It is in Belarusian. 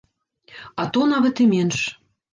А то нават і менш.